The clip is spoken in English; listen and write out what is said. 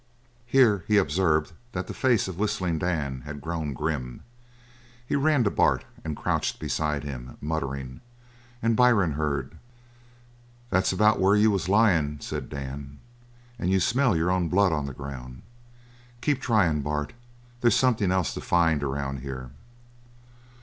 Here he observed that the face of Whistling Dan had grown grim. He ran to Bart and crouched beside him, muttering; and Byrne heard. "That's about where you was lyin'," said Dan, "and you smell your own blood on the ground. Keep tryin', Bart. They's something else to find around here."